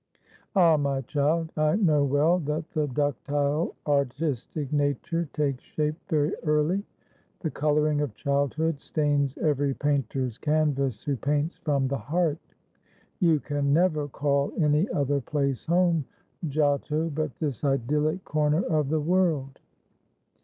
Ah! my child, I know well that the ductile artistic nature takes shape very early. The coloring of childhood stains every painter's canvas who paints from the heart. You can never call any other place home, Giotto, but this idyllic corner of the world!"